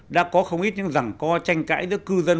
đã có không ít những rẳng co tranh cãi giữa cư dân